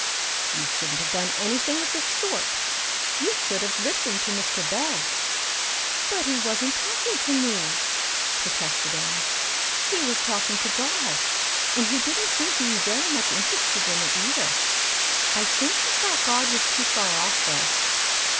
"You shouldn't have done anything of the sort. You should have listened to Mr. Bell." "But he wasn't talking to me," protested Anne. "He was talking to God and he didn't seem to be very much inter ested in it, either. I think he thought God was too far off though.